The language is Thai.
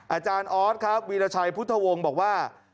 อาจารย์ออสครับวีรชัยพุทธวงศ์บอกว่า